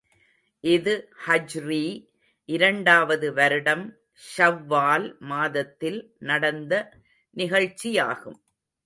இது ஹீஜ்ரீ இரண்டாவது வருடம் ஷவ்வால் மாதத்தில் நடந்த நிகழ்ச்சியாகும்.